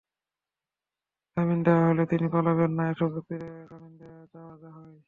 জামিন দেওয়া হলে তিনি পালাবেন না, এসব যুক্তিতে জামিন চাওয়া হয়।